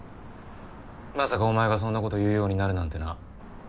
まさかお前がそんなこと言うようになるなんてな。